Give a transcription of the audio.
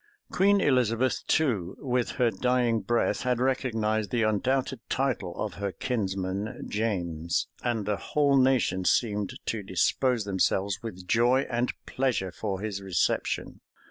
Queen Elizabeth, too, with her dying breath, had recognized the undoubted title of her kinsman James; and the whole nation seemed to dispose themselves with joy and pleasure for his reception.